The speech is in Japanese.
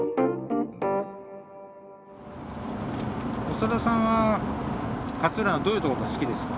長田さんは勝浦のどういうところが好きですか？